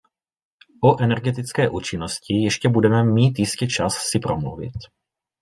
O energetické účinnosti ještě budeme mít jistě čas si promluvit.